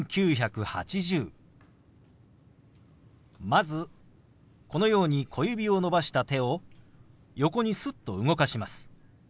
まずこのように小指を伸ばした手を横にすっと動かします。